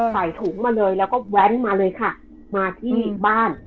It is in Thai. ใส่ถุงมาเลยแล้วก็แว้นมาเลยค่ะมาที่บ้าน